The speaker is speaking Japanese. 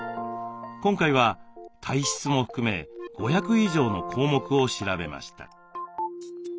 今回は体質も含め５００以上の項目を調べました。